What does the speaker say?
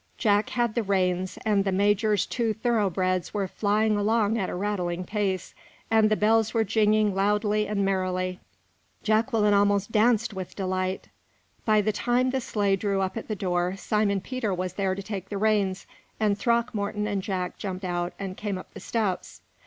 Jack had the reins, and the major's two thoroughbreds were flying along at a rattling pace, and the bells were jingling loudly and merrily. Jacqueline almost danced with delight. By the time the sleigh drew up at the door, Simon Peter was there to take the reins, and Throckmorton and Jack jumped out and came up the steps.